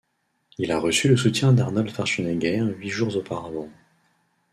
Il a reçu le soutien d'Arnold Schwarzenegger huit jours auparavant.